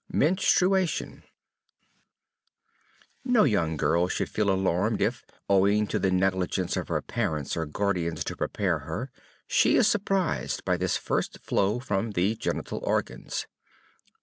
MENSTRUATION No young girl should feel alarmed if, owing to the negligence of her parents or guardians to prepare her, she is surprised by this first flow from the genital organs.